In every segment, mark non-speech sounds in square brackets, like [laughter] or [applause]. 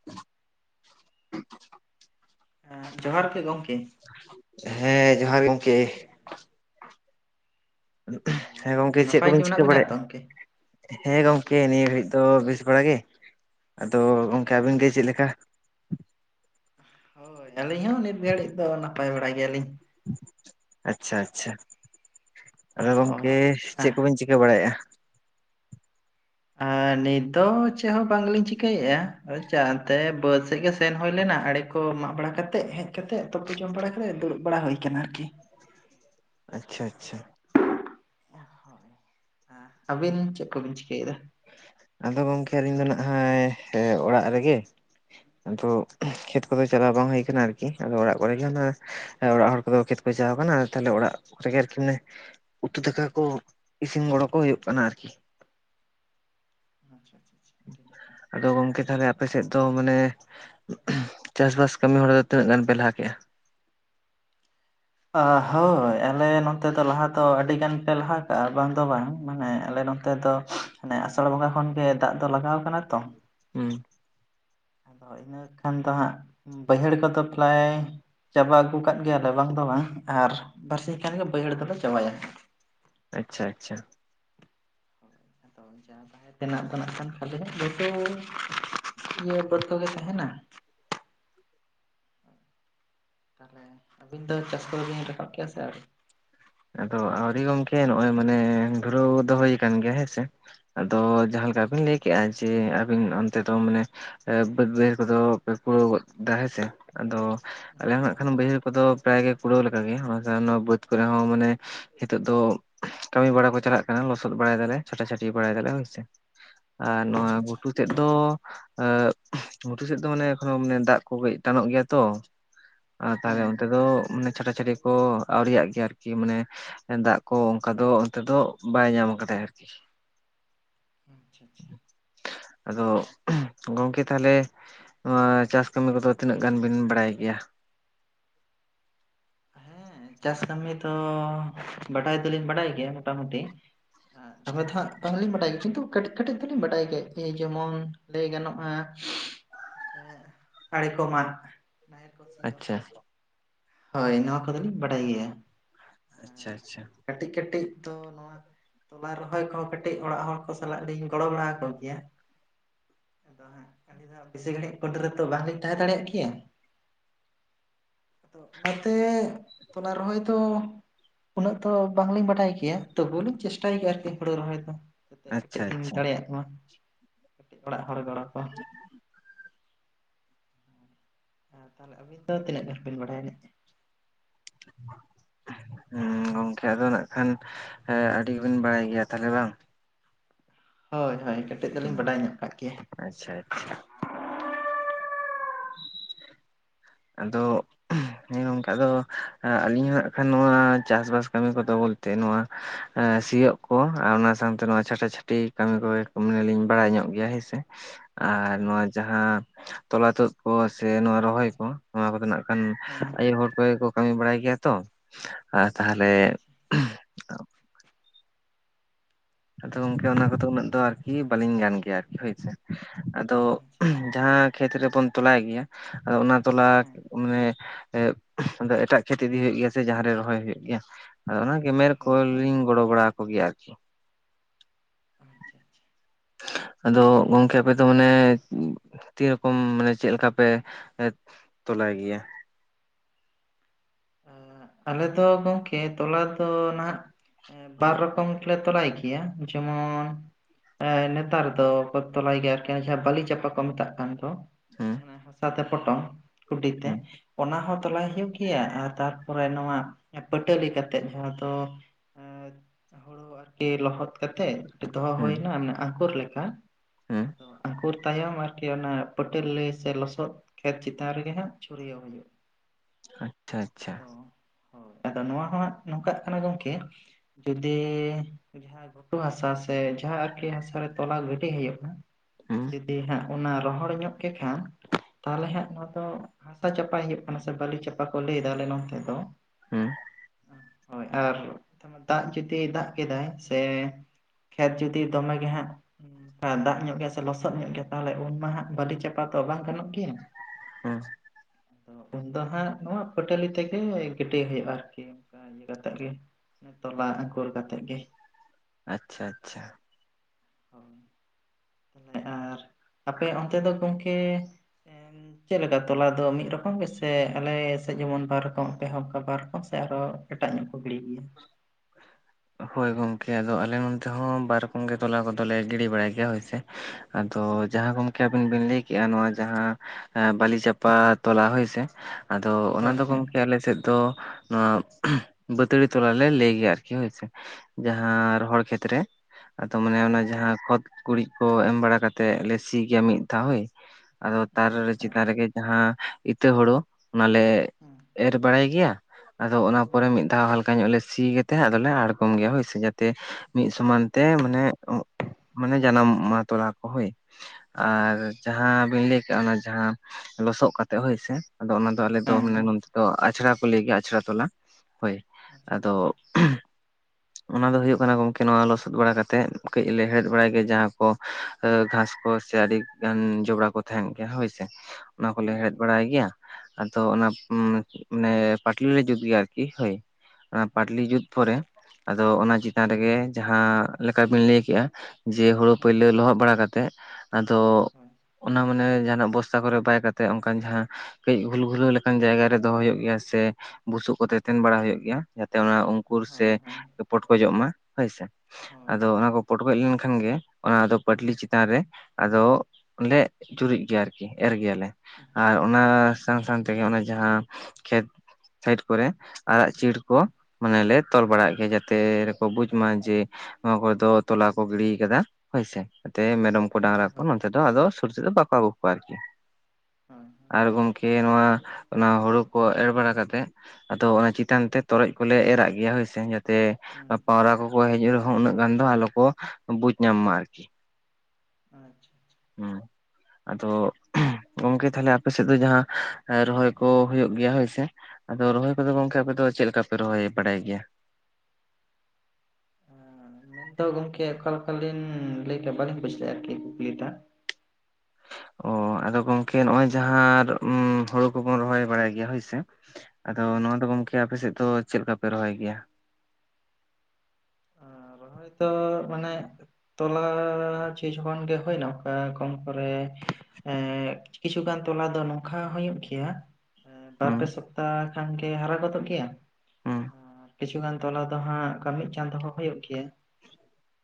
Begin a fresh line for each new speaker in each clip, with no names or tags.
[unintelligible]
ᱦᱮᱸ ᱡᱚᱦᱟᱨ ᱜᱮ ᱜᱚᱢᱠᱮ᱾
ᱦᱮᱸ ᱡᱚᱦᱟᱨ ᱜᱮ ᱜᱚᱢᱠᱮ᱾ ᱦᱮᱸ ᱜᱚᱢᱠᱮ ᱪᱮᱫ
ᱱᱟᱯᱟᱭ ᱜᱮ
ᱠᱚᱵᱤᱱ
ᱢᱮᱱᱟᱜ ᱵᱤᱱᱟ
ᱪᱤᱠᱟᱹᱵᱟᱲᱟᱭᱮᱫ?
ᱛᱚ ᱜᱚᱢᱠᱮ?
ᱦᱮᱸ ᱜᱚᱢᱠᱮ ᱱᱤᱭᱟᱹ ᱜᱷᱟᱹᱲᱤᱡ ᱫᱚ ᱵᱮᱥ ᱵᱟᱲᱟ ᱜᱮ, ᱟᱫᱚ ᱜᱚᱢᱠᱮ ᱟᱹᱵᱤᱱ ᱜᱮ ᱪᱮᱫ ᱞᱮᱠᱟ?
ᱦᱳᱭ ᱟᱹᱞᱤᱧ ᱦᱚᱸ ᱱᱤᱛ ᱜᱷᱟᱹᱲᱤᱡ ᱫᱚ ᱱᱟᱯᱟᱭ ᱵᱟᱲᱟ ᱜᱮᱭᱟᱞᱤᱧ᱾
ᱟᱪᱪᱷᱟ ᱟᱪᱪᱷᱟ᱾ ᱟᱫᱚ
ᱦᱳᱭ᱾
ᱜᱚᱢᱠᱮ ᱪᱮᱫ ᱠᱚᱵᱤᱱ ᱪᱤᱠᱟᱹ ᱵᱟᱲᱟᱭᱮᱜᱼᱟ?
ᱟᱨ ᱱᱤᱛ ᱫᱚ ᱪᱮᱫ ᱦᱚᱸ ᱵᱟᱝᱞᱤᱧ ᱪᱤᱠᱟᱹᱭᱮᱜᱼᱟ ᱟᱪᱪᱷᱟ ᱚᱱᱛᱮ ᱵᱟᱹᱫ ᱥᱮᱡ ᱜᱮ ᱥᱮᱱ ᱦᱩᱭ ᱞᱮᱱᱟ ᱟᱲᱮ ᱠᱚ ᱢᱟᱜ ᱵᱟᱲᱟ ᱠᱟᱛᱮᱫ ᱦᱮᱡ ᱠᱟᱛᱮ ᱛᱚᱯᱩ ᱡᱚᱢ ᱵᱟᱲᱟ ᱠᱟᱛᱮ ᱫᱩᱲᱩᱵ ᱵᱟᱲᱟ ᱦᱩᱭ ᱠᱟᱱᱟ ᱟᱨᱠᱤ᱾
ᱟᱪᱪᱷᱟ ᱟᱪᱪᱷᱟ᱾
ᱦᱳᱭ ᱟᱸ ᱟᱹᱵᱤᱱ ᱪᱮᱫ ᱠᱚᱵᱤᱱ ᱪᱤᱠᱟᱹᱭᱮᱫᱟ?
ᱟᱫᱚ ᱜᱚᱢᱠᱮ ᱟᱹᱞᱤᱧ ᱫᱚ ᱱᱟᱜᱦᱟᱭ ᱚᱲᱟᱜ ᱨᱮᱜᱮ ᱟᱫᱚ ᱠᱷᱮᱛ ᱠᱚᱫᱚ
ᱟᱪᱪᱷᱟ
ᱪᱟᱞᱟᱣ ᱵᱟᱝ ᱦᱩᱭ ᱠᱟᱱᱟ ᱟᱨ -ᱠᱤ ᱟᱫᱚ ᱚᱲᱟᱜ ᱠᱚᱨᱮ ᱜᱮ ᱚᱱᱟ ᱦᱮᱸ ᱚᱲᱟᱜ ᱦᱚᱲ ᱠᱚᱫᱚ ᱠᱷᱮᱛ ᱠᱚ ᱪᱟᱣ ᱠᱟᱱᱟ ᱛᱟᱦᱚᱞᱮ ᱚᱲᱟᱜ ᱠᱚᱨᱮᱜ ᱜᱮ ᱟᱨᱠᱤ ᱢᱟᱱᱮ ᱩᱛᱩ ᱫᱟᱠᱟ ᱠᱚ ᱤᱥᱤᱱ ᱜᱚᱲᱚ ᱠᱚ ᱦᱩᱭᱩᱜ ᱠᱟᱱᱟ ᱟᱨᱠᱤ᱾
[unintelligible]
ᱟᱫᱚ ᱜᱚᱢᱠᱮ ᱛᱟᱦᱚᱞᱮ ᱟᱯᱮᱥᱮᱫ ᱫᱚ ᱢᱟᱱᱮ ᱪᱟᱥ ᱵᱟᱥ ᱠᱟᱢᱤ ᱦᱚᱨᱟ ᱫᱚ ᱛᱤᱱᱟᱹᱜ ᱜᱟᱱ ᱯᱮ ᱞᱟᱦᱟ ᱠᱮᱜᱼᱟ?
ᱦᱳᱭ ᱟᱞᱮ ᱱᱚᱛᱮ ᱫᱚ ᱞᱟᱦᱟ ᱫᱚ ᱟᱹᱰᱤ ᱜᱟᱱ ᱯᱮ ᱞᱟᱦᱟ ᱠᱟᱜᱼᱟ ᱵᱟᱝ ᱫᱚ ᱵᱟᱝ ᱢᱟᱱᱮ ᱟᱞᱮ ᱱᱚᱛᱮ ᱫᱚ ᱦᱟᱱᱮ ᱟᱥᱟᱲ ᱵᱚᱸᱜᱟ ᱠᱷᱚᱱᱜᱮ ᱫᱟᱜ ᱫᱚ ᱞᱟᱜᱟᱣ ᱠᱟᱱᱟ ᱛᱚ᱾
ᱦᱩᱸ
ᱦᱚᱭ ᱤᱱᱟᱹ ᱠᱷᱟᱱ ᱫᱚ ᱦᱟᱸᱜ ᱵᱟᱹᱭᱦᱟᱹᱲ ᱠᱚᱫᱚ ᱛᱟᱦᱚᱞᱮ ᱪᱟᱵᱟ ᱟᱹᱜᱩ ᱠᱟᱫ ᱜᱮᱭᱟᱞᱮ ᱵᱟᱝ ᱟᱫᱚ ᱵᱟᱝ ᱟᱨ ᱵᱟᱨᱥᱤᱧ ᱠᱷᱟᱱᱜᱮ ᱵᱟᱹᱭᱦᱟᱹᱲ ᱫᱚᱞᱮ ᱪᱟᱵᱟᱭᱟ᱾
ᱟᱪᱪᱷᱟ ᱟᱪᱪᱷᱟ ᱾
ᱡᱟᱦᱟ ᱛᱟᱦᱮ ᱠᱟᱱᱟ ᱚᱱᱠᱟ ᱱᱟᱜ-ᱠᱷᱚᱱ ᱠᱷᱟᱹᱞᱤ ᱦᱟᱸᱜ [unintelligible] ᱜᱮ ᱛᱟᱦᱮᱱᱟ᱾ ᱛᱟᱦᱚᱞᱮ ᱟᱵᱤᱱ ᱫᱚ ᱪᱟᱥ ᱠᱚᱫᱚ ᱵᱤᱱ ᱨᱟᱠᱟᱵ ᱠᱮᱜ-ᱟ ᱥᱮ ᱟᱣᱨᱤ?
ᱟᱫᱚ ᱟᱣᱨᱤ ᱜᱚᱢᱠᱮ ᱱᱚᱜ-ᱚᱭ ᱢᱟᱱᱮ ᱫᱷᱩᱨᱟᱹᱣ ᱫᱚ ᱦᱩᱭᱠᱟᱱ ᱜᱮᱭᱟ ᱦᱮᱸᱥᱮ᱾ ᱟᱫᱚ ᱡᱟᱦᱟᱸᱞᱮᱠᱟ ᱵᱤᱱ ᱞᱟᱹᱭ ᱠᱮᱜᱼᱟ ᱡᱮ ᱟᱵᱤᱱ ᱚᱱᱛᱮ ᱫᱚ ᱢᱟᱱᱮ ᱮᱸ ᱵᱟᱹᱫ ᱵᱟᱹᱭᱦᱟᱹᱲ ᱠᱚᱫᱚ ᱯᱮ ᱠᱩᱬᱟᱹᱣ ᱜᱚᱫ ᱠᱮᱫᱟ ᱦᱮᱸ ᱛᱮ ᱟᱫᱚ ᱟᱞᱮ ᱦᱚᱸ
ᱦᱳᱭ
ᱱᱟᱜ-ᱠᱷᱟᱱ ᱵᱟᱹᱭᱦᱟᱹᱲ ᱠᱚᱫᱚ ᱯᱨᱟᱭ ᱜᱮ ᱠᱩᱲᱟᱹᱣ ᱞᱮᱠᱟ ᱜᱮ ᱱᱚᱭᱟ ᱡᱟᱦᱟᱸ ᱱᱚᱣᱟ ᱵᱟᱹᱫᱽ ᱠᱚᱨᱮ ᱦᱟᱸᱜ ᱚᱸ ᱢᱟᱱᱮ ᱱᱤᱛᱚᱜ ᱫᱚ ᱠᱟᱹᱢᱤ ᱵᱟᱲᱟ ᱠᱚ ᱪᱟᱞᱟᱜ ᱠᱟᱱᱟ ᱞᱚᱥᱚᱫ ᱵᱟᱲᱟᱭ ᱫᱟᱞᱮ ᱪᱷᱟᱴᱟ ᱪᱷᱟᱹᱴᱤ ᱵᱟᱲᱟᱭ ᱫᱟᱞᱮ ᱦᱳᱭ ᱥᱮ ᱟᱨ ᱱᱚᱣᱟ
ᱟᱪᱪᱷᱟ ᱟᱪᱪᱷᱟ
ᱜᱷᱩᱴᱩ ᱛᱮᱜ ᱫᱚ ᱮᱸᱜ ᱜᱷᱩᱴᱩ ᱥᱮᱫ ᱫᱚ ᱢᱟᱱᱮ ᱮᱠᱷᱚᱱᱳ ᱢᱟᱱᱮ ᱫᱟᱜ ᱠᱚ ᱠᱟᱹᱡ ᱴᱟᱱᱚᱜ ᱜᱮᱭᱟ ᱛᱚ᱾ ᱟᱨ
ᱦᱩᱸ
ᱛᱟᱦᱚᱞᱮ ᱚᱱᱛᱮ ᱫᱚ ᱢᱟᱱᱮ ᱪᱷᱟᱴᱟ ᱪᱷᱟᱹᱴᱤ ᱠᱚ ᱟᱣᱨᱤᱭᱟᱜ ᱜᱮᱭᱟ ᱟᱨ -ᱠᱤ ᱢᱟᱱᱮ ᱫᱟᱜ ᱠᱚ ᱚᱱᱠᱟ ᱫᱚ ᱚᱱᱛᱮ ᱫᱚ ᱵᱟᱭ ᱧᱟᱢ ᱠᱟᱫᱟᱭ ᱟᱨᱠᱤ᱾ [inaudible]
[unintelligible]
ᱟᱫᱚ ᱜᱚᱢᱠᱮ ᱛᱟᱦᱚᱞᱮ ᱱᱚᱣᱟ ᱪᱟᱥ ᱠᱟᱢᱤ ᱠᱚᱫᱚ ᱛᱤᱱᱟᱹᱜ ᱜᱟᱱ ᱵᱤᱱ ᱵᱟᱲᱟᱭ ᱜᱮᱭᱟ?
ᱦᱮᱸ, ᱪᱟᱥ ᱠᱟᱹᱢᱤ ᱫᱚ ᱵᱟᱰᱟᱭ ᱫᱚᱞᱤᱧ ᱵᱟᱰᱟᱭ ᱜᱮᱭᱟ ᱢᱚᱴᱟᱢᱩᱴᱤ᱾ ᱫᱚᱢᱮ ᱫᱚᱦᱟᱸᱜ ᱵᱟᱝᱞᱤᱧ ᱵᱟᱰᱟᱭ ᱜᱮ ᱠᱤᱱᱛᱩ ᱠᱟᱹᱴᱤᱡ ᱠᱟᱹᱴᱤᱡ ᱫᱚᱞᱤᱧ ᱵᱟᱰᱟᱭ ᱜᱮᱭᱟ ᱡᱮᱢᱚᱱ ᱞᱟᱹᱭ ᱜᱟᱱᱚᱜᱼᱟ᱾
[inaudible]
ᱮ ᱟᱲᱮ ᱠᱚ ᱢᱟᱜ ᱱᱟᱦᱮᱞ ᱠᱚ ᱥᱤᱭᱚᱜ
ᱟᱪᱪᱷᱟ
ᱦᱳᱭ, ᱱᱚᱣᱟ ᱠᱚᱫᱚᱞᱤᱧ ᱵᱟᱰᱟᱭ ᱜᱮᱭᱟ᱾
ᱟᱪᱪᱷᱟ
ᱟᱨ
ᱟᱪᱪᱷᱟ᱾
ᱠᱟᱹᱴᱤᱡ ᱠᱟᱹᱴᱤᱡ ᱫᱚ ᱱᱚᱣᱟ ᱛᱚᱞᱟ ᱨᱚᱦᱚᱭ ᱠᱚᱦᱚᱸ ᱠᱟᱴ ᱴᱤᱡ ᱚᱲᱟᱜ ᱦᱚᱲ ᱠᱚ ᱥᱟᱞᱟᱜ ᱞᱤᱧ ᱜᱚᱲᱚ ᱵᱟᱲᱟᱣᱟ ᱠᱚ ᱜᱮᱭᱟ᱾ ᱟᱫᱚ ᱦᱟᱸᱜ ᱟᱹᱞᱤᱧ ᱫᱚ ᱵᱮᱥᱤ ᱜᱷᱟᱹᱲᱤᱡ ᱯᱟᱹᱰ ᱨᱮᱛᱚ ᱵᱟᱝᱞᱤᱧ ᱛᱟᱦᱮᱸ ᱫᱟᱲᱮᱭᱟᱜ ᱠᱮᱭᱟ᱾ ᱚᱱᱟᱛᱮ ᱛᱚᱞᱟ ᱨᱚᱦᱚᱭ ᱫᱚ᱾ ᱩᱱᱟᱹᱜ ᱫᱚ ᱵᱟᱝᱞᱤᱧ ᱵᱟᱰᱟᱭ ᱜᱮᱭᱟ ᱛᱚᱵᱩ ᱞᱤᱧ ᱪᱮᱥᱴᱟᱭ ᱜᱮᱭᱟ ᱟᱨᱠᱤ ᱦᱩᱲᱩ ᱨᱚᱦᱚᱭ ᱫᱚ ᱡᱟᱛᱮ ᱠᱟᱹᱴᱤᱡ
ᱟᱪᱪᱷᱟ
ᱞᱤᱧ
ᱟᱪᱪᱷᱟ
ᱫᱟᱲᱮᱭᱟᱜ᱾ [unintelligible] ᱠᱟᱹᱴᱤᱡ ᱚᱲᱟᱜ ᱦᱚᱲᱮ ᱜᱚᱲᱚ ᱠᱚᱣᱟ᱾ ᱟᱨ ᱛᱟᱦᱚᱞᱮ ᱟᱵᱤᱱ ᱫᱚ ᱛᱤᱱᱟᱹᱜ ᱜᱟᱱ ᱵᱤᱱ ᱵᱟᱰᱟᱭᱟ ᱟᱱᱤᱡ?
[inaudible] ᱦᱮᱸ, ᱜᱚᱝᱠᱮ ᱟᱫᱚ ᱱᱟᱜᱠᱷᱟᱱ ᱟᱰᱤᱵᱤᱱ ᱵᱟᱲᱟᱭ ᱜᱮᱭᱟ ᱛᱟᱦᱞᱮ ᱵᱟᱝ?
ᱦᱳᱭ ᱦᱳᱭ, ᱠᱟᱹᱴᱤᱡ ᱫᱚᱞᱤᱧ ᱵᱟᱰᱟᱭ ᱧᱚᱜ ᱠᱟᱜ ᱜᱮᱭᱟ᱾
ᱟᱪᱪᱷᱟ ᱟᱪᱪᱷᱟ᱾ ᱟᱫᱚ ᱦᱮᱸ ᱜᱚᱝᱠᱮ ᱟᱫᱚ ᱟᱹᱞᱤᱧ ᱦᱚᱸ ᱦᱟᱸᱜ ᱠᱷᱟᱱ ᱱᱚᱣᱟ ᱪᱟᱥᱵᱟᱥ ᱠᱟᱢᱤ ᱠᱚᱫᱚ ᱵᱚᱞ ᱛᱮ ᱱᱚᱣᱟ ᱥᱤᱭᱳᱜ ᱠᱚ ᱟᱨ ᱚᱱᱟ ᱥᱟᱶᱛᱮ ᱱᱚᱣᱟ ᱪᱷᱟᱴᱟ ᱪᱷᱟᱴᱤ ᱠᱟᱢᱤ ᱠᱚᱜᱮ᱾ ᱠᱚ ᱢᱟᱱᱮ ᱞᱤᱧ ᱵᱟᱲᱟᱭ ᱧᱚᱜ ᱜᱮᱭᱟ ᱦᱮᱸᱥᱮ᱾ ᱟᱨ ᱱᱚᱣᱟ
ᱟᱪᱪᱷᱟ ᱟᱪᱪᱷᱟ
ᱡᱟᱦᱟᱸ ᱛᱚᱞᱟ ᱛᱳᱫ ᱠᱚ ᱥᱮ ᱱᱚᱣᱟ ᱨᱚᱦᱚᱭ ᱠᱚ ᱱᱚᱣᱟ ᱠᱚᱫᱚ ᱱᱟᱜ ᱠᱷᱟᱱ
ᱦᱩᱸ᱾
ᱟᱭᱳ ᱦᱚᱲ ᱠᱚᱜᱮ ᱠᱚ ᱠᱟᱹᱢᱤ ᱵᱟᱲᱟᱭ ᱜᱮᱭᱟ ᱛᱚ, ᱟ ᱛᱟᱦᱚᱞᱮ
ᱟᱪᱪᱷᱟ ᱟᱪᱪᱷᱟ
ᱟᱫᱚ ᱜᱚᱝᱠᱮ ᱚᱱᱟ ᱠᱚᱫᱚ ᱩᱱᱟᱹᱜ ᱫᱚ ᱟᱨᱠᱤ ᱵᱟᱹᱞᱤᱧ ᱜᱟᱱ ᱜᱮᱭᱟ ᱟᱨᱠᱤ ᱦᱳᱭᱥᱮ᱾ ᱟᱫᱚ
ᱟᱪᱪᱷᱟ ᱟᱪᱪᱷᱟ
ᱡᱟᱦᱟᱸ ᱠᱷᱮᱛ ᱨᱮᱵᱚᱱ ᱛᱚᱞᱟᱭ ᱜᱮᱭᱟ, ᱟᱫᱚ ᱚᱱᱟ ᱛᱚᱞᱟ
ᱦᱮᱸ
ᱢᱟᱱᱮ ᱮ ᱟᱫᱚ ᱮᱴᱟᱜ ᱠᱷᱮᱛ ᱤᱫᱤ ᱦᱩᱭᱩᱜ ᱜᱮᱭᱟ ᱥᱮ ᱡᱟᱦᱟᱸᱨᱮ ᱨᱚᱦᱚᱭ ᱦᱩᱭᱩᱜ ᱜᱮᱭᱟ᱾ ᱟᱨ ᱚᱱᱟ ᱜᱮᱢᱮᱨ
ᱦᱳᱭ ᱦᱳᱭ
ᱠᱚᱞᱤᱧ ᱜᱚᱲᱚ ᱵᱟᱲᱟ ᱟᱠᱚ ᱜᱮᱭᱟ ᱟᱨᱠᱤ᱾
ᱟᱪᱪᱷᱟ ᱟᱪᱪᱷᱟ᱾
ᱟᱫᱚ ᱜᱚᱝᱠᱮ ᱟᱯᱮ ᱫᱚ ᱢᱟᱱᱮ ᱛᱤ ᱨᱚᱠᱚᱢ ᱢᱟᱱᱮ ᱪᱮᱱ ᱞᱮᱠᱟ ᱯᱮ ᱛᱚᱞᱟᱭ ᱜᱮᱭᱟ᱾
ᱟᱞᱮ ᱫᱚ ᱜᱚᱝᱠᱮ ᱛᱚᱞᱟ ᱫᱚ ᱱᱟᱦᱟᱜ ᱵᱟᱨ ᱨᱚᱠᱚᱢ ᱞᱮ ᱛᱚᱞᱟᱭ ᱜᱮᱭᱟ, ᱡᱮᱢᱚᱱ ᱮ ᱱᱮᱛᱟᱨ ᱫᱚ ᱵᱟᱹ ᱛᱚᱞᱟᱭ ᱜᱮᱭᱟ ᱟᱨᱠᱤ ᱡᱟᱦᱟᱸ ᱵᱟᱹᱞᱤ ᱪᱟᱯᱟ ᱠᱚ ᱢᱮᱛᱟᱜ ᱠᱟᱱ ᱫᱚ᱾
ᱦᱩᱸ
ᱢᱟᱱᱮ ᱦᱟᱥᱟᱛᱮ ᱯᱚᱴᱚᱢ ᱠᱩᱰᱤᱛᱮ
ᱦᱩᱸ
ᱚᱱᱟ ᱦᱚᱸ ᱛᱚᱞᱟᱭ ᱦᱩᱭᱩᱜ ᱜᱮᱭᱟ ᱟᱨ ᱛᱟᱨᱯᱚᱨᱮ ᱱᱚᱣᱟ ᱯᱟᱹᱴᱟᱹᱞᱤ ᱠᱟᱛᱮᱜ ᱡᱟᱦᱟᱸ ᱫᱚ ᱦᱳᱲᱳ ᱟᱨᱠᱤ ᱞᱚᱦᱚᱫ ᱠᱟᱛᱮᱜ᱾ ᱫᱚᱦᱚ
ᱦᱩᱸ
ᱦᱩᱭᱱᱟ ᱢᱟᱱᱮ ᱟᱝᱠᱩᱨ ᱞᱮᱠᱟ
ᱦᱩᱸ
ᱟᱫᱚ ᱟᱝᱠᱩᱨ ᱛᱟᱭᱚᱢ ᱟᱨᱠᱤ ᱚᱱᱟ ᱯᱟᱹᱴᱟᱹᱞᱤ ᱥᱮ ᱥᱮ ᱞᱚᱥᱚᱫ ᱠᱷᱮᱛ ᱪᱮᱛᱟᱱ ᱨᱮᱜᱮ ᱦᱟᱸᱜ ᱪᱷᱩᱲᱭᱟᱹᱣ ᱦᱩᱭᱩᱜ-ᱟ᱾
[unintelligible]
ᱟᱫᱚ ᱦᱳᱭ ᱟᱫᱚ ᱱᱚᱣᱟ ᱦᱚᱸ ᱦᱟᱸᱜ ᱱᱚᱝᱠᱟᱜ ᱠᱟᱱᱟ ᱜᱚᱝᱠᱮ ᱡᱩᱫᱤ ᱡᱟᱦᱟᱸ ᱜᱷᱩᱴᱩ ᱦᱟᱥᱟ ᱥᱮ ᱡᱟᱦᱟᱸ ᱟᱨᱠᱤ ᱦᱟᱥᱟᱨᱮ ᱛᱚᱞᱟ ᱜᱤᱰᱤ ᱦᱩᱭᱩᱜᱼᱟ,
ᱦᱩᱸ
ᱡᱩᱫᱤ ᱦᱟᱸᱜ ᱚᱱᱟ ᱨᱚᱦᱚᱲ ᱧᱚᱜ ᱠᱮᱜ ᱠᱷᱟᱱ ᱛᱟᱦᱚᱞᱮ ᱦᱟᱸᱜ ᱱᱚᱣᱟ ᱫᱚ ᱦᱟᱥᱟ ᱪᱟᱯᱟᱭ ᱦᱩᱭᱩᱜ ᱠᱟᱱᱟ ᱥᱮ ᱵᱟᱹᱞᱤ ᱪᱟᱯᱟ ᱠᱚ ᱞᱟᱹᱭ ᱮᱫᱟ ᱟᱞᱮ ᱱᱚᱱᱛᱮ ᱫᱚ᱾
ᱦᱩᱸ᱾
ᱦᱳᱭ ᱟᱨ [unintelligible] ᱫᱟᱜ ᱡᱩᱫᱤ ᱫᱟᱜ ᱠᱮᱫᱟᱭ ᱥᱮ ᱠᱷᱮᱛ ᱡᱩᱫᱤ ᱫᱚᱢᱮ ᱜᱮ ᱦᱟᱜᱸ ᱦᱩᱸ ᱫᱟᱜ ᱧᱚᱜ ᱜᱮᱭᱟ ᱥᱮ ᱞᱚᱥᱚᱫ ᱧᱚᱜ ᱜᱮᱭᱟ ᱛᱟᱦᱚᱞᱮ ᱩᱱᱢᱟ ᱦᱟᱸᱜ ᱵᱟᱹᱞᱤ ᱪᱟᱯᱟ ᱫᱚ ᱵᱟᱝ ᱜᱟᱱᱚᱜ ᱜᱮᱭᱟ,
ᱦᱩᱸ᱾
ᱩᱱ ᱫᱚ ᱦᱟᱸᱜ ᱱᱚᱣᱟ ᱠᱷᱟᱹᱴᱟᱹᱞᱤ ᱛᱮᱜᱮ ᱜᱤᱴᱟᱹᱭ ᱦᱩᱭᱩᱜᱼᱟ, ᱟᱨᱠᱤ ᱚᱱᱠᱟ ᱤᱭᱟᱹ ᱠᱟᱛᱮᱜ ᱜᱮ᱾ ᱚᱱᱮ ᱛᱚᱞᱟ ᱟᱝᱠᱩᱨ ᱠᱟᱛᱮᱜ ᱜᱮ᱾
ᱟᱪᱪᱷᱟ ᱟᱪᱪᱷᱟ᱾
ᱦᱳᱭ᱾ ᱛᱟᱞᱦᱮ ᱟᱨ ᱟᱯᱮ ᱚᱱᱛᱮ ᱫᱚ ᱜᱚᱝᱠᱮ ᱮᱢ ᱪᱮᱫ ᱞᱮᱠᱟ ᱛᱚᱞᱟ ᱫᱚ ᱢᱤᱫ ᱨᱚᱠᱚᱢ ᱜᱮᱥᱮ ᱟᱞᱮ ᱮᱫ ᱡᱮᱢᱚᱱ ᱵᱟᱨ ᱨᱚᱠᱚᱢ ᱟᱯᱮ ᱦᱚᱸ ᱚᱱᱠᱟ ᱵᱟᱨ ᱨᱚᱠᱚᱢ ᱥᱮ ᱟᱨ ᱦᱚᱸ ᱮᱴᱟᱜ ᱧᱚᱜ ᱵᱷᱤᱲᱤ ᱜᱮᱭᱟ᱾
[unintelligible] ᱦᱳᱭ ᱜᱚᱝᱠᱮ ᱟᱫᱚ ᱟᱞᱮ ᱱᱚᱱᱛᱮ ᱦᱚᱸ ᱵᱟᱨ ᱨᱚᱠᱚᱢ ᱜᱮ ᱛᱚᱞᱟ ᱠᱚᱫᱚᱞᱮ ᱜᱤᱰᱤ ᱵᱟᱲᱟᱭ ᱜᱮᱭᱟ ᱦᱳᱭᱥᱮ ᱾ ᱟᱫᱚ ᱡᱟᱦᱟᱸ ᱜᱚᱢᱠᱮ ᱟᱵᱤᱱ ᱵᱤᱱ ᱞᱟᱹᱭ ᱠᱮᱜᱼᱟ ᱱᱚᱣᱟ ᱡᱟᱦᱟᱸ ᱮᱸ ᱵᱟᱞᱤ ᱪᱟᱯᱟ ᱛᱚᱞᱟᱥ ᱦᱳᱭᱥᱮ, ᱟᱫᱚ ᱚᱱᱟ
ᱟᱪᱪᱷᱟ ᱟᱪᱪᱷᱟ ᱦᱳᱭ
ᱫᱚ
ᱦᱳᱭ ᱟᱪᱪᱷᱟ ᱟᱪᱪᱷᱟ
ᱜᱚᱢᱠᱮ ᱟᱞᱮᱥᱮᱫ ᱫᱚ ᱱᱚᱣᱟ ᱵᱟᱹᱛᱟᱹᱲᱤ ᱛᱚᱞᱟ ᱞᱮ ᱞᱟᱹᱭ ᱜᱮᱭᱟ ᱟᱨᱠᱤ ᱦᱳᱭᱥᱮ ᱡᱟᱦᱟᱸ ᱨᱚᱦᱚᱲ ᱠᱷᱮᱛᱨᱮ ᱟᱫᱚ ᱢᱟᱱᱮ ᱚᱱᱟ ᱡᱟᱦᱟᱸ ᱠᱷᱚᱛ ᱠᱩᱲᱤᱡ ᱠᱚ ᱮᱢ ᱵᱟᱲᱟ ᱠᱟᱛᱮᱫ ᱞᱮ ᱥᱤ ᱜᱮᱭᱟ ᱢᱤᱫ ᱫᱷᱟᱣ ᱦᱳᱭ ᱟᱫᱚ ᱛᱟᱨ ᱪᱮᱛᱟᱱ
ᱦᱳᱭ
ᱨᱮᱜᱮ ᱦᱟᱸ ᱤᱛᱟᱹ ᱦᱩᱲᱩ ᱚᱱᱟ ᱞᱮ
ᱦᱮᱸ᱾
ᱮᱨ ᱵᱟᱲᱟᱭ ᱜᱮᱭᱟ ᱟᱫᱚ ᱚᱱᱟ ᱯᱚᱨᱮ ᱢᱤᱫ ᱫᱷᱟᱣ ᱦᱟᱞᱠᱟ ᱧᱚᱜ ᱞᱮ ᱥᱤ ᱛᱮ ᱦᱟᱸᱜ ᱟᱫᱚᱞᱮ ᱟᱲᱜᱚᱢ ᱜᱮᱭᱟ ᱦᱳᱭᱥ ᱡᱟᱛᱮ ᱢᱤᱫ ᱥᱚᱢᱟᱱᱛᱮ ᱢᱟᱱᱮ ᱢᱟᱱᱮ ᱡᱟᱱᱟᱢ ᱢᱚᱜ ᱢᱟ ᱛᱚᱞᱟ ᱠᱚ ᱦᱳᱭ᱾ ᱟᱨ ᱡᱟᱦᱟᱸ ᱵᱤᱱ ᱞᱟᱹᱭ ᱠᱟᱜᱼᱟ ᱚᱱᱟ ᱡᱟᱦᱟᱸ ᱞᱚᱥᱚᱫ ᱠᱟᱛᱮᱜ ᱦᱳᱭᱥᱮ, ᱟᱫᱚ ᱚᱱᱟ ᱫᱚ ᱟᱞᱮ ᱫᱚ ᱢᱟᱱᱮ ᱱᱚᱱᱛᱮ ᱫᱚ ᱟᱪᱪᱷᱲᱟ ᱠᱚ ᱞᱟᱹᱭ ᱜᱮᱭᱟ ᱟᱪᱪᱷᱲᱟ ᱛᱚᱞᱟ ᱦᱳᱭ ᱟᱫᱚ ᱚᱱᱟ ᱫᱚ ᱦᱩᱭᱩᱜ ᱠᱟᱱᱟ ᱜᱚᱝᱠᱮ ᱱᱚᱣᱟ ᱞᱚᱥᱚᱫ ᱵᱟᱲᱟ ᱠᱟᱛᱮᱫ ᱠᱟᱹᱡ ᱞᱮ ᱦᱮᱲᱦᱮᱫ ᱵᱟᱲᱟᱭ ᱜᱮ ᱡᱟᱦᱟᱸ ᱠᱚ ᱟᱹ ᱜᱷᱟᱥ ᱠᱚ ᱥᱮ ᱟᱹᱰᱤ ᱜᱟᱱ ᱡᱚᱵᱽᱲᱟ ᱠᱚ ᱛᱟᱦᱮᱸᱱ ᱜᱮᱭᱟ ᱦᱳᱭᱥᱮ, ᱚᱱᱟ ᱠᱚᱞᱮ ᱦᱮᱲᱦᱮᱫ
ᱦᱮᱸ
ᱵᱟᱲᱟᱭ ᱜᱮᱭᱟ ᱟᱫᱚ ᱚᱱᱟ ᱢᱟ ᱢᱟᱱᱮ ᱯᱟᱴᱞᱤ ᱞᱮ ᱡᱩᱛ ᱜᱮᱭᱟ ᱟᱨᱠᱤ ᱦᱳᱭ᱾
ᱟᱪᱪᱷᱟ ᱟᱪᱪᱷᱟ ᱦᱮᱸ ᱦᱮᱸ ᱟᱪᱪᱷᱟ ᱟᱪᱪᱷᱟ ᱦᱮᱸ ᱦᱮᱸ ᱦᱳᱭ ᱦᱳᱭ ᱦᱮᱸ ᱦᱮᱸ ᱦᱳᱭ ᱦᱳᱭ ᱦᱳᱭ ᱦᱳᱭ ᱦᱳᱭ ᱦᱳᱭ ᱦᱳᱭ ᱦᱳᱭ
ᱯᱟᱹᱴᱞᱤ ᱡᱩᱛ ᱯᱚᱨᱮ ᱟᱫᱚ ᱚᱱᱟ ᱪᱮᱛᱟᱱ ᱨᱮᱜᱮ ᱡᱟᱦᱟᱸ ᱞᱮᱠᱟ ᱵᱤᱱ ᱞᱟᱹᱭ ᱠᱮᱜ-ᱟ, ᱡᱮ ᱦᱩᱲᱳ ᱯᱟᱭᱞᱟᱹ ᱞᱚᱦᱚᱫ ᱵᱟᱲᱟ ᱠᱟᱛᱮᱜ ᱟᱫᱚ
ᱦᱳᱭ᱾
ᱚᱱᱟ ᱢᱟᱱᱮ ᱡᱟᱦᱟᱸᱱᱟᱜ ᱵᱚᱥᱛᱟ ᱠᱚᱨᱮ ᱵᱟᱭ ᱠᱟᱛᱮᱜ ᱚᱱᱠᱟᱱ ᱡᱟᱦᱟᱸ ᱠᱟᱹᱡ ᱜᱷᱩᱞ ᱜᱷᱩᱞᱟᱹᱣ ᱞᱮᱠᱟᱱ ᱡᱟᱭᱜᱟ ᱨᱮ ᱫᱚᱦᱚ ᱦᱩᱭᱩᱜ ᱜᱮᱭᱟ ᱥᱮ ᱵᱩᱥᱩᱵ ᱠᱚᱛᱮ ᱛᱮᱱ ᱵᱟᱲᱟ ᱦᱩᱭᱩᱜ ᱜᱮᱭᱟ, ᱡᱟᱛᱮ ᱚᱱᱟ ᱚᱝᱠᱩᱨ ᱥᱮ ᱯᱚᱴᱠᱚᱡᱚᱜ ᱢᱟ ᱦᱳᱭᱥᱮ ᱟᱫᱚ ᱚᱱᱟ ᱠᱚ ᱯᱚᱴᱠᱚᱡ ᱞᱮᱱᱠᱷᱟᱱ ᱜᱮ ᱚᱱᱟᱫᱚ ᱯᱟᱴᱞᱤ ᱪᱮᱛᱟᱱ ᱨᱮ ᱟᱫᱚ ᱚᱸᱰᱮᱞᱮᱜ ᱪᱩᱨᱩᱡ ᱜᱮᱭᱟ ᱟᱨᱠᱤ ᱮᱨ ᱜᱮᱭᱟᱞᱮ ᱟᱨ ᱚᱱᱟ ᱥᱟᱝ-ᱥᱟᱝ ᱛᱮᱦᱮᱧ ᱚᱱᱟ ᱡᱟᱦᱟᱸ ᱠᱷᱮᱛ ᱥᱟᱭᱤᱰ ᱠᱚᱨᱮ ᱟᱨᱟᱜ ᱪᱤᱲ ᱠᱚ ᱢᱟᱱᱮ ᱞᱮ ᱛᱚᱞ ᱵᱟᱲᱟᱜ ᱜᱮᱭᱟ ᱡᱟᱛᱮ ᱠᱚ ᱵᱩᱡ ᱢᱟ ᱡᱮ ᱱᱚᱣᱟ ᱠᱚᱫᱚ ᱛᱚᱞᱟ ᱠᱚ ᱜᱤᱲᱤᱭ ᱠᱟᱫᱟ ᱦᱳᱭᱥᱮ ᱛᱮ ᱢᱮ ᱨᱚᱢ ᱠᱚ
ᱦᱳᱭ
ᱰᱟᱝᱨᱟ ᱠᱚ
ᱦᱳᱭ
ᱱᱚᱱᱛᱮ ᱫᱚ ᱟᱫᱚ ᱥᱩᱨ ᱥᱮᱫᱚ ᱵᱟᱠᱚ ᱟᱹᱜᱩ ᱠᱚᱣᱟ ᱟᱨᱠᱤ
ᱦᱳᱭ ᱦᱟᱸᱜ᱾
ᱟᱨ ᱜᱚᱝᱠᱮ ᱱᱚᱣᱟ ᱚᱱᱟ ᱦᱳᱲᱳ ᱠᱚ ᱮᱨ ᱵᱟᱲᱟ ᱠᱟᱛᱮᱫ ᱟᱫᱚ ᱚᱱᱟ ᱪᱮᱛᱟᱱ ᱛᱮᱫ ᱛᱚᱨᱚᱡ ᱠᱚᱞᱮ ᱮᱨᱟᱜ ᱜᱮᱭᱟ ᱦᱳᱭᱥᱮ ᱡᱟᱛᱮ
ᱦᱩᱸ ᱦᱩᱸ
ᱯᱟᱶᱨᱟ ᱠᱚᱠᱚ ᱦᱮᱡᱩᱜ ᱨᱮᱦᱚᱸ ᱩᱱᱟᱹᱜ ᱜᱟᱱ ᱫᱚ ᱟᱞᱚ ᱠᱚ ᱵᱩᱡᱽ ᱧᱟᱢ ᱢᱟ ᱟᱨᱠᱤ ᱾
ᱟᱪᱷᱟ᱾
ᱦᱮᱸ᱾ ᱟᱫᱚ ᱜᱚᱝᱠᱮ ᱛᱟᱦᱚᱞᱮ ᱟᱯᱮ ᱥᱮᱫ ᱫᱚ ᱡᱟᱦᱟᱸ ᱮᱸ ᱨᱚᱦᱚᱭ ᱠᱚ ᱦᱚᱭᱩᱜ ᱜᱮᱭᱟ ᱦᱳᱭᱥᱮ? ᱟᱫᱚ ᱨᱚᱦᱚᱭ ᱠᱚᱫᱚ
ᱦᱳᱭ
ᱜᱚᱝᱠᱮ ᱟᱯᱮ ᱫᱚ ᱪᱮᱜ ᱞᱮᱠᱟᱯᱮ ᱨᱚᱦᱚᱭ ᱵᱟᱲᱟᱭ ᱜᱮᱭᱟ?
ᱢᱮᱱᱫᱚ ᱜᱚᱝᱠᱮ ᱚᱠᱟᱞᱮᱠᱟ ᱞᱤᱧ ᱞᱟᱹᱭ ᱠᱮᱜᱼ ᱵᱟᱹᱞᱤᱧ ᱵᱩᱡᱽ ᱞᱮᱜ-ᱟ ᱟᱨᱠᱤ ᱠᱩᱠᱞᱤ ᱴᱟᱜ᱾
ᱚ ᱟᱫᱚ ᱜᱚᱝᱠᱮ ᱱᱚᱜ-ᱚᱭ ᱡᱟᱦᱟᱸ ᱩ ᱦᱩᱲᱩ ᱠᱚᱵᱚᱱ ᱨᱚᱦᱚᱭ ᱵᱟᱲᱟᱭ ᱜᱮᱭᱟ ᱦᱳᱭᱥᱮ᱾ ᱟᱫᱚ
ᱦᱩᱸ
ᱱᱚᱣᱟ ᱫᱚ ᱜᱚᱝᱠᱮ ᱟᱯᱮᱥᱮᱜ ᱫᱚ ᱪᱮᱜ ᱞᱮᱠᱟᱯᱮ ᱨᱚᱦᱚᱭ ᱜᱮᱭᱟ?
ᱚ ᱨᱚᱦᱚᱭᱛᱚ ᱢᱟᱱᱮ ᱛᱚᱞᱟ ᱡᱮ ᱡᱚᱠᱷᱚᱱ ᱜᱮ ᱦᱩᱭᱱᱟ ᱚᱝᱠᱟ ᱠᱚᱢ ᱠᱚᱨᱮ, ᱮᱸ ᱠᱤᱪᱷᱩᱜᱟᱱ ᱛᱚᱞᱟ ᱫᱚ ᱱᱚᱝᱠᱟ ᱦᱩᱭᱩᱜ ᱜᱮᱭᱟ ᱮᱸ ᱵᱟᱨ ᱯᱮ
ᱦᱩᱸ
ᱥᱚᱯᱛᱟ ᱠᱷᱟᱱ ᱜᱮ ᱦᱟᱨᱟ ᱜᱚᱫᱚᱜ ᱜᱮᱭᱟ
ᱦᱩᱸ
ᱟᱨ ᱠᱤᱪᱷᱩᱜᱟᱱ ᱛᱚᱞᱟ ᱫᱚ ᱦᱟᱸᱜ ᱠᱟᱹᱢᱤ ᱪᱟᱸᱫᱚ ᱦᱚᱸ ᱦᱩᱭᱩᱜ ᱜᱮᱭᱟ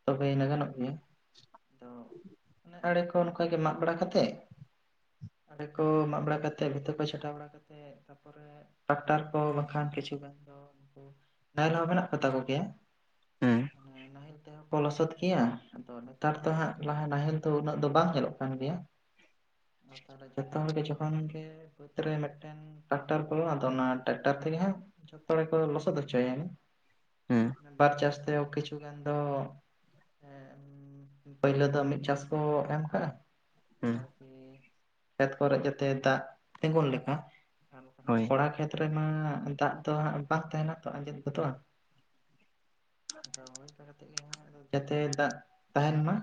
ᱛᱚᱵᱮᱱᱮᱜ ᱜᱟᱱᱚᱜ ᱜᱮᱭᱟ᱾ᱟᱫᱚ ᱚᱱᱮ ᱟᱲᱮ ᱠᱚ ᱱᱚᱝᱠᱟ ᱜᱮ ᱢᱟᱜᱽ ᱵᱟᱲᱟ ᱠᱟᱛᱮᱜ ᱟᱲᱮ ᱠᱚ ᱢᱟᱜᱽ ᱵᱟᱲᱟ ᱠᱟᱛᱮᱜ ᱵᱷᱤᱛᱟᱹ ᱠᱚ ᱪᱷᱟᱴᱟᱣ ᱵᱟᱲᱟ ᱠᱟᱛᱮᱜ ᱛᱟᱯᱚᱨᱮ ᱴᱟᱠᱴᱟᱨ ᱠᱚ ᱵᱟᱠᱷᱟᱱ ᱠᱤᱪᱷᱩ ᱜᱟᱱ ᱫᱚ ᱩᱱᱠᱩ ᱱᱟᱦᱮᱞ ᱦᱚᱸ ᱢᱮᱱᱟᱜ ᱠᱚᱛᱟ ᱠᱚ ᱜᱮᱭᱟ᱾
ᱦᱩᱸ
ᱦᱮᱸ ᱱᱟᱦᱮᱞ ᱛᱮᱦᱚᱸ ᱠᱚ ᱞᱚᱥᱚᱫ ᱜᱮᱭᱟ ᱟᱫᱚ ᱱᱮᱛᱟᱨ ᱫᱚ ᱦᱟᱸᱜ ᱞᱟᱦᱟ ᱱᱟᱦᱮᱞ ᱛᱚ ᱩᱱᱟᱹᱜ ᱫᱚ ᱵᱟᱝ ᱧᱮᱞᱚᱜ ᱠᱟᱱ ᱜᱮᱭᱟ ᱾ ᱟᱨ ᱛᱟᱦᱚᱞᱮ ᱡᱚᱛᱚ ᱦᱚᱲ ᱜᱮ ᱡᱚᱠᱷᱚᱱ ᱜᱮ ᱵᱟᱹᱫᱽ ᱨᱮ ᱢᱮᱜᱴᱮᱱ ᱴᱟᱠᱴᱟᱨ ᱠᱚ ᱟᱫᱚ ᱚᱱᱟ ᱴᱟᱠᱴᱟᱨ ᱛᱮᱜᱮ ᱦᱟᱸᱜ ᱡᱚᱛᱚ ᱦᱚᱲ ᱜᱮᱠᱚ ᱞᱚᱥᱚᱫ ᱦᱚᱪᱚᱭᱟ᱾
ᱦᱩᱸ
ᱵᱟᱨ ᱪᱟᱥᱛᱮ ᱠᱤᱪᱷᱩ ᱜᱟᱱ ᱫᱚ ᱦᱮᱸ ᱩᱸ ᱯᱟᱹᱭᱞᱟᱹ ᱫᱚ ᱢᱤᱫ ᱪᱟᱥ ᱠᱚ ᱮᱢ ᱠᱟᱜ-ᱟ᱾
ᱦᱩᱸ,
ᱮ ᱠᱷᱮᱛ ᱠᱚᱨᱮ ᱡᱟᱛᱮ ᱫᱟᱜᱽ ᱛᱤᱸᱜᱩᱱ ᱞᱮᱠᱟ ᱟᱵᱚ
ᱦᱳᱭ᱾
ᱚᱲᱟᱜ ᱠᱷᱮᱛ ᱨᱮᱢᱟ ᱫᱟᱜᱽ ᱛᱚ ᱦᱟᱸᱜ ᱵᱟᱝ ᱛᱟᱦᱮᱸᱱᱟ ᱛᱚ ᱟᱸᱡᱮᱫ ᱜᱚᱫᱚᱜ-ᱟ᱾ ᱨᱚᱦᱚᱭ ᱚᱝᱠᱟ ᱠᱟᱛᱮᱜ ᱜᱮ ᱦᱟᱸᱜ ᱟᱫᱚ ᱡᱟᱛᱮ ᱫᱟᱜᱽ ᱛᱟᱦᱮᱸᱱ ᱢᱟ᱾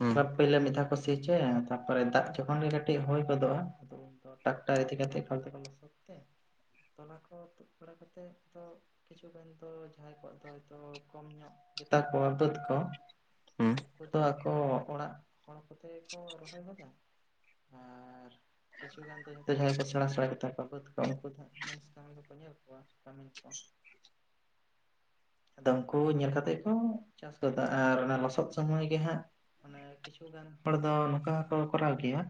ᱦᱩᱸ
ᱵᱟᱨ ᱯᱟᱹᱭᱞᱟᱹ ᱢᱤᱫ ᱫᱷᱟᱣ ᱠᱚ ᱥᱤ ᱪᱚᱭᱟ ᱛᱟᱯᱚᱨᱮ ᱫᱟᱜᱽ ᱡᱚᱠᱷᱚᱱ ᱜᱮ ᱠᱟᱹᱴᱤᱜ ᱦᱳᱭ ᱜᱚᱫᱚᱜ-ᱟ ᱟᱫᱚ ᱟᱫᱚ ᱴᱟᱠᱴᱟᱨ ᱤᱫᱤᱠᱟᱛᱮ ᱮᱠᱟᱞ ᱛᱮᱠᱚ ᱞᱚᱥᱚᱫ ᱛᱮ ᱛᱚᱞᱟ ᱠᱚ ᱛᱩᱫ ᱵᱟᱲᱟ ᱠᱟᱛᱮᱜ ᱫᱚ ᱠᱤᱪᱷᱩ ᱜᱟᱱ ᱫᱚ ᱡᱟᱦᱟᱸᱭ ᱠᱚᱣᱟᱜ ᱟᱫᱚ ᱦᱚᱭᱛᱚ ᱠᱚᱢ ᱧᱚᱜ ᱜᱮᱛᱟ ᱠᱚᱣᱟ ᱵᱟᱹᱫᱽ ᱠᱚ᱾
ᱦᱩᱸ,
ᱩᱱᱠᱩ ᱫᱚ ᱟᱠᱚ ᱚᱲᱟᱜ ᱦᱚᱲ ᱠᱚᱛᱮ ᱜᱮ ᱠᱚ ᱨᱚᱦᱚᱭ ᱜᱚᱫᱟ ᱟᱨ ᱟᱨ ᱠᱤᱪᱷᱩ ᱜᱟᱱ ᱫᱚ ᱡᱚᱛᱚ ᱡᱟᱦᱟᱸᱭ ᱠᱚ ᱥᱮᱬᱟ ᱥᱮᱬᱟ ᱜᱮᱛᱟ ᱠᱚ ᱩᱱᱠᱩ ᱫᱚᱠᱚ ᱩᱱᱠᱩ ᱫᱚ ᱦᱟᱸᱜ ᱢᱩᱱᱤᱥ ᱠᱟᱹᱢᱤᱱ ᱠᱚ ᱧᱮᱞ ᱠᱚᱣᱟ ᱠᱟᱹᱢᱤᱱ ᱠᱚ᱾ ᱟᱫᱚ ᱩᱱᱠᱩ ᱧᱮᱞ ᱠᱟᱛᱮᱜ ᱠᱚ ᱪᱟᱥ ᱜᱚᱫᱟ ᱟᱨ ᱚᱱᱟ ᱞᱚᱥᱚᱫ ᱥᱚᱢᱚᱭ ᱜᱮ ᱦᱟᱸᱜ ᱢᱟᱱᱮ ᱠᱤᱪᱷᱩ ᱜᱟᱱ ᱦᱚᱲ ᱫᱚ ᱱᱚᱝᱠᱟ ᱦᱚᱸᱠᱚ ᱠᱚᱨᱟᱣ ᱜᱮᱭᱟ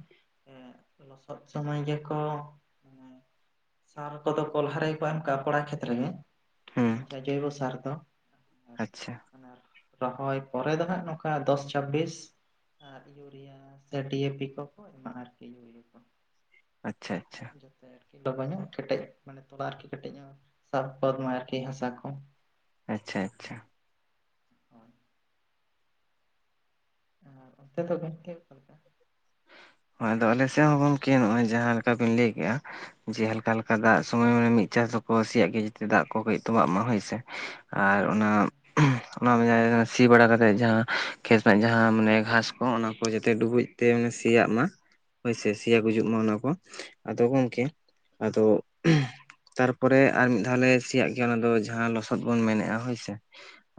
ᱮᱸ ᱞᱚᱥᱚᱫ ᱥᱚᱢᱚᱭ ᱜᱮᱠᱚ ᱮᱸ ᱥᱟᱨ ᱠᱚᱫᱚ ᱠᱚ ᱞᱟᱦᱟ ᱨᱮ ᱜᱮᱠᱚ ᱮᱢ ᱠᱟᱜ-ᱟ ᱯᱚᱲᱟ ᱠᱷᱮᱛᱨᱮ ᱜᱮ
ᱦᱩᱸ
ᱚᱱᱟ ᱡᱟᱦᱟᱸ ᱡᱳᱭᱵᱚ ᱥᱟᱨ ᱫᱚ᱾
ᱟᱪᱪᱷᱟ᱾
ᱢᱟᱱᱮ ᱟᱨ ᱨᱚᱦᱚᱭ ᱯᱚᱨᱮ ᱫᱚ ᱦᱟᱸᱜ ᱱᱚᱝᱠᱟ ᱫᱚᱥ ᱪᱷᱟᱵᱵᱤᱥ ᱟᱨ ᱤᱭᱩᱨᱤᱭᱟ ᱥᱮ ᱰᱤ ᱭᱮ ᱯᱤ ᱠᱚᱠᱚ ᱮᱢᱟᱜ ᱟᱨᱠᱤ ᱤᱭᱩᱨᱤᱭᱟᱹ ᱠᱚ᱾
ᱟᱪᱪᱷᱟ ᱟᱪᱪᱷᱟ᱾
ᱡᱟᱛᱮ ᱟᱨᱠᱤ ᱞᱚᱜᱚ ᱧᱚᱜ ᱠᱮᱴᱮᱜ ᱢᱟᱱᱮ ᱛᱚᱞᱟ ᱟᱨᱠᱤ ᱠᱮᱴᱮᱜ ᱧᱚᱜ ᱥᱟᱵ ᱜᱚᱫ ᱢᱟᱭ ᱟᱨᱠᱤ ᱦᱟᱥᱟ ᱠᱚ᱾
ᱟᱪᱪᱷᱟ ᱟᱪᱪᱷᱟ᱾
ᱦᱳᱭ᱾ ᱟᱨ ᱚᱱᱛᱮ ᱜᱚᱝᱠᱮ ᱚᱠᱟᱞᱮᱠᱟ?
ᱦᱳᱭ ᱟᱫᱚ ᱟᱞᱮ ᱥᱮᱫ ᱦᱚᱸ ᱜᱚᱢᱠᱮ ᱱᱚᱜᱼᱚᱭ ᱡᱟᱦᱟᱸ ᱞᱮᱠᱟ ᱵᱤᱱ ᱞᱟᱹᱭ ᱠᱮᱜᱼᱟ᱾ ᱡᱮ ᱦᱟᱞᱠᱟ ᱦᱟᱞᱠᱟ ᱫᱟᱜ ᱥᱚᱢᱚᱭ ᱢᱟᱱᱮ ᱢᱤᱫ ᱪᱟᱥ ᱫᱚᱠᱚ ᱥᱤᱭᱟᱜ ᱜᱮᱭᱟ ᱡᱟᱛᱮ ᱫᱟᱜ ᱠᱚ ᱠᱟᱹᱡ ᱛᱚᱸᱵᱟᱜ ᱢᱟ ᱦᱳᱭᱥᱮ᱾ ᱟᱨ ᱚᱱᱟ
ᱦᱳᱭ
[unintelligible] ᱚᱱᱟ ᱡᱟᱭᱜᱟ ᱨᱮ ᱥᱤ ᱵᱟᱲᱟ ᱠᱟᱛᱮ ᱡᱟᱦᱟᱸ ᱠᱷᱮᱛ ᱨᱮᱱᱟᱜ ᱡᱟᱦᱟᱸ ᱢᱟᱱᱮ ᱜᱷᱟᱸᱥ ᱠᱚ ᱚᱱᱟ ᱠᱚ ᱡᱟᱛᱮ ᱰᱩᱵᱩᱡ ᱛᱮ ᱥᱤᱼᱼ ᱥᱮᱭᱟᱜ ᱢᱟ ᱦᱳᱭᱥᱮ
ᱦᱩᱸ
ᱥᱮᱭᱟ ᱜᱩᱡᱩᱜ ᱢᱟ ᱚᱱᱟ ᱠᱚ ᱟᱫᱚ ᱜᱚᱢᱠᱮ ᱟᱫᱚᱼᱼ
ᱦᱩᱸ
ᱛᱟᱨᱯᱚᱨᱮ ᱟᱨ ᱢᱤᱫ ᱫᱷᱟᱣ ᱞᱮ ᱥᱤᱭᱟᱜ ᱜᱮᱭᱟ ᱚᱱᱟ ᱫᱚ ᱡᱟᱦᱟᱸ ᱞᱚᱥᱚᱫ ᱵᱚᱱ ᱢᱮᱱᱮᱜᱼᱟ ᱦᱳᱭᱥᱮ᱾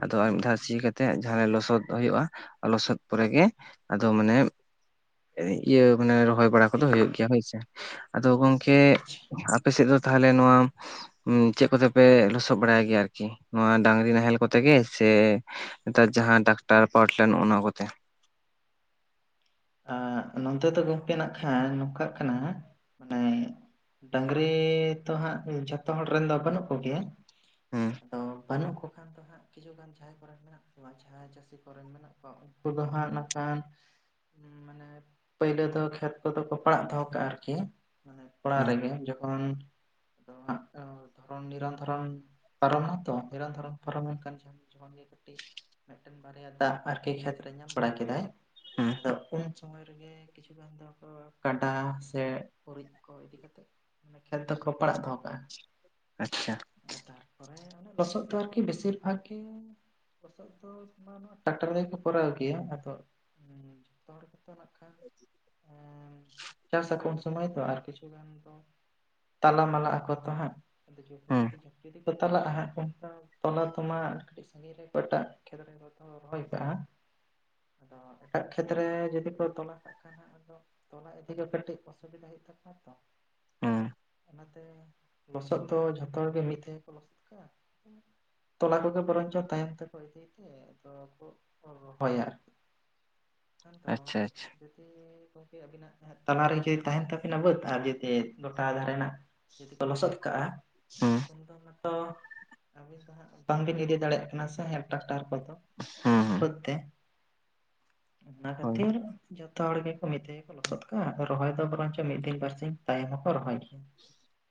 ᱟᱫᱚ ᱟᱨ
ᱦᱩᱸ
ᱢᱤᱫ ᱫᱷᱟᱣ
ᱦᱩᱸ
ᱥᱤ ᱠᱟᱛᱮᱜ ᱡᱟᱦᱟᱸ ᱞᱚᱥᱚᱫ ᱦᱩᱭᱩᱜᱼᱟ ᱞᱚᱥᱚᱫ ᱯᱚᱨᱮᱜᱮ ᱟᱫᱚ ᱢᱟᱱᱮ᱾ ᱤᱭᱟᱹ ᱢᱟᱱᱮ ᱨᱚᱦᱚᱭ ᱵᱟᱲᱟ ᱠᱚᱫᱚ ᱦᱩᱭᱩᱜ ᱜᱮᱭᱟ ᱦᱳᱭᱥᱮ ᱟᱫᱚ ᱜᱚᱝᱠᱮ
ᱟᱪᱪᱷᱟ ᱟᱪᱪᱷᱟ
ᱟᱯᱮ ᱥᱮᱫ ᱫᱚᱼᱼ ᱛᱟᱦᱚᱞᱮ ᱱᱚᱣᱟᱼᱼ ᱩᱸ ᱪᱮᱫ ᱠᱚᱛᱮ ᱯᱮ ᱞᱚᱥᱚᱫ ᱵᱟᱲᱟᱭ ᱜᱮᱭᱟ ᱟᱨᱠᱤ ᱱᱚᱶᱟ ᱰᱟᱝᱨᱤ ᱱᱟᱦᱮᱞ ᱠᱚᱛᱮ ᱜᱮ ᱥᱮᱼᱼ ᱱᱮᱛᱟᱨ ᱡᱟᱦᱟᱸ ᱴᱟᱠᱴᱟᱨ ᱯᱟᱣᱴᱤᱞᱟᱨ ᱱᱚᱜ-ᱚ ᱱᱚᱣᱟ ᱠᱚᱛᱮ᱾
ᱟᱸᱜ ᱱᱚᱛᱮ ᱫᱚ ᱜᱚᱢᱠᱮ ᱱᱟᱜ ᱠᱷᱟᱱ ᱱᱚᱝᱠᱟᱜ ᱠᱟᱱᱟ ᱢᱟᱱᱮᱼᱼ ᱰᱟᱝᱨᱤ ᱛᱚ ᱦᱟᱸᱜ ᱡᱚᱛᱚ ᱦᱚᱲ ᱨᱮᱱ ᱫᱚ ᱵᱟᱹᱱᱩᱜ ᱠᱚᱜᱮᱭᱟ
ᱦᱩᱸ
ᱟᱫᱚᱼᱼ ᱵᱟᱹᱱᱩᱜ ᱠᱚ ᱠᱷᱟᱱ ᱫᱚ ᱦᱟᱸᱜ ᱠᱤᱪᱷ ᱜᱟᱱ ᱡᱟᱦᱟᱸᱭ ᱠᱚᱨᱮᱱ ᱢᱮᱱᱟᱜ ᱠᱚᱣᱟ᱾ ᱡᱟᱦᱟᱸᱭ ᱪᱟᱹᱥᱤ ᱠᱚᱨᱮᱱ ᱢᱮᱱᱟᱜ ᱠᱚᱣᱟ ᱩᱱᱠᱩ ᱫᱚ ᱦᱟᱸᱜ ᱱᱟᱜᱠᱷᱟᱱᱼᱼ ᱯᱳᱭᱞᱳ ᱫᱚ ᱠᱷᱮᱛ ᱠᱚᱫᱚ ᱠᱚ ᱯᱟᱲᱟᱜ ᱫᱚᱦᱚ ᱠᱟᱜᱼᱟ ᱟᱨᱠᱤ ᱠᱚᱲᱟ
ᱦᱩᱸ
ᱨᱮᱜᱮ ᱡᱚᱠᱷᱚᱱᱼᱼ [unintelligible] ᱟᱨ ᱱᱤᱨᱚᱱ ᱫᱷᱚᱨᱚᱱ ᱯᱟᱨᱚᱢ ᱱᱟᱛᱚ, ᱱᱤᱨᱚᱱ ᱫᱷᱚᱨᱚᱱ ᱯᱟᱨᱚᱢ ᱞᱮᱱ ᱠᱷᱟᱱ ᱡᱚᱢ ᱡᱠᱷᱚᱱ ᱜᱮ ᱠᱟᱹᱴᱤᱡᱼᱼ ᱢᱤᱫ ᱴᱮᱱ ᱵᱟᱨᱭᱟ ᱫᱟᱜ ᱟᱨᱠᱤ ᱠᱷᱮᱛ ᱨᱮ ᱧᱟᱢ ᱵᱟᱲᱟ ᱠᱮᱫᱟᱭ᱾
ᱦᱩᱸ
ᱟᱫᱚ ᱩᱱ ᱥᱚᱢᱚᱭ ᱨᱮᱜᱮ ᱠᱤᱪᱷᱩ ᱜᱟᱱ ᱫᱚᱠᱚ ᱠᱟᱰᱟ ᱥᱮᱼᱼ ᱜᱩᱨᱤᱡ ᱠᱚ ᱤᱫᱤ ᱠᱟᱛᱮᱫ ᱢᱟᱱᱮ ᱠᱷᱮᱛ ᱫᱚᱠᱚ ᱯᱟᱲᱟᱜ ᱫᱚᱦᱚ ᱠᱟᱜᱼᱟ᱾
ᱟᱪᱪᱷᱟ᱾
ᱛᱟᱨᱯᱚᱨᱮ ᱞᱚᱥᱚᱫ ᱫᱚ ᱟᱨᱠᱤ ᱵᱮᱥᱤᱨ ᱵᱷᱟᱜ ᱜᱮ ᱞᱚᱥᱚᱫᱼᱼ ᱟᱫᱚ ᱴᱟᱠᱴᱟᱨ ᱨᱮ ᱠᱚ ᱯᱩᱨᱟᱹᱣ ᱠᱮᱭᱟ ᱟᱫᱚᱼᱼ ᱡᱚᱛᱚ ᱦᱚᱲ ᱜᱮᱛᱚ ᱱᱟᱜ ᱠᱷᱟᱱ ᱮᱸ ᱪᱟᱥ ᱟᱠᱚ᱾ ᱥᱚᱢᱚᱭ ᱫᱚ ᱟᱨ ᱠᱤᱪᱷᱩ ᱜᱟᱱ ᱫᱚ ᱛᱟᱞᱟ ᱢᱟᱞᱟ ᱟᱠᱚ ᱛᱚ ᱦᱟᱸᱜ᱾ ᱟᱫᱚ ᱡᱩᱫᱤ
ᱦᱩᱸ
ᱡᱩᱫᱤ ᱡᱩᱫ ᱠᱚ ᱪᱟᱞᱟᱜᱼᱟ ᱦᱟᱸ ᱚᱱᱠᱟᱼᱼ ᱚᱱᱟ ᱛᱚᱢᱟ ᱠᱟᱹᱴᱤᱡ ᱥᱟᱹᱜᱤᱧ ᱨᱮ ᱮᱴᱟᱜ ᱠᱷᱮᱛ ᱨᱮ ᱨᱚᱦᱚᱭ ᱠᱟᱜᱼᱟ᱾ ᱟᱫᱚ ᱮᱴᱟᱜᱼᱼ ᱠᱷᱮᱛᱨᱮ ᱡᱩᱫᱤ ᱠᱚ ᱛᱚᱞᱟ ᱠᱟᱜ ᱠᱷᱟᱱ ᱡᱟᱸᱜᱟ ᱟᱫᱚ ᱛᱚᱞᱟ ᱤᱫᱤ ᱠᱚ ᱠᱟᱹᱴᱤᱡ ᱚᱥᱩᱵᱤᱫᱦᱟ ᱦᱩᱭᱩᱜ ᱛᱟᱠᱚᱣᱟ ᱛᱚ᱾
ᱦᱩᱸ
ᱚᱱᱟᱛᱮ ᱞᱚᱥᱚᱫ ᱫᱚ ᱡᱷᱚᱛᱚ ᱦᱚᱲ ᱜᱮ ᱢᱤᱫ ᱛᱮᱜᱮ ᱠᱚ ᱞᱚᱥᱚᱫ ᱠᱟᱜᱼᱟ᱾ ᱛᱚᱞᱟ ᱠᱚᱫᱚ ᱵᱚᱨᱚᱱᱪᱚ ᱛᱟᱦᱮᱱ ᱛᱟᱠᱚ ᱤᱫᱤ ᱛᱮ ᱟᱫᱚ ᱠᱚ ᱨᱚᱦᱚᱭᱟ ᱟᱨᱠᱤ᱾ ᱟᱫᱚ
ᱟᱪᱪᱷᱟ ᱟᱪᱪᱷᱟ
ᱡᱚᱫᱤ ᱜᱚᱢᱠᱮᱼᱼ ᱟᱹᱵᱤ ᱱᱟᱜ ᱛᱟᱞᱟᱨ ᱨᱤᱪᱟᱪ ᱛᱟᱦᱮᱱ ᱛᱟᱵᱤᱱᱟ ᱵᱟᱹᱫᱽ ᱟᱨ ᱡᱩᱫᱤ ᱜᱚᱴᱟ ᱫᱷᱟᱨᱮ ᱱᱟᱜᱼᱼ ᱡᱩᱫᱤ ᱠᱚ ᱞᱚᱥᱚᱫ ᱠᱟᱜᱼᱟ᱾
ᱦᱩᱸ
ᱤᱱ ᱫᱚ ᱱᱤᱛᱚᱜ ᱟᱹᱵᱤᱱ ᱫᱚ ᱦᱟᱸᱜ ᱵᱟᱝᱵᱤᱱ ᱤᱫᱤ ᱫᱟᱲᱮᱭᱟᱜ ᱠᱟᱱᱟ ᱥᱮ ᱦᱮᱸ᱾ ᱰᱟᱠᱴᱟᱨ ᱠᱚᱫᱚ
ᱦᱩᱸ ᱦᱩᱸ
ᱵᱟᱹᱫᱽ ᱛᱮ᱾ ᱚᱱᱟ
ᱦᱳᱭ
ᱠᱷᱟᱹᱛᱤᱨᱼᱼ ᱡᱚᱛᱚ ᱦᱚᱲ ᱜᱮᱠᱚ ᱢᱤᱫ ᱫᱷᱟᱣ ᱜᱮ ᱠᱚ ᱞᱚᱥᱚᱫ ᱠᱟᱜᱼᱟ᱾ ᱟᱫᱚ ᱨᱚᱦᱚᱭ ᱫᱚ ᱵᱚᱨᱚᱱ ᱪᱚ ᱢᱤᱫ ᱫᱤᱱ ᱵᱟᱨ ᱥᱤᱧ ᱛᱟᱭᱚᱢ ᱦᱚᱸᱠᱚ ᱨᱚᱦᱚᱭ ᱜᱮᱭᱟ᱾